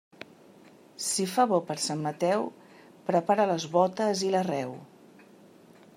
Si fa bo per Sant Mateu, prepara les bótes i l'arreu.